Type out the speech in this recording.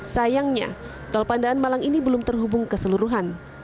sayangnya tol pandaan malang ini belum terhubung keseluruhan